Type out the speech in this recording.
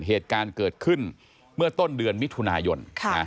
เหตุการณ์เกิดขึ้นเมื่อต้นเดือนมิถุนายน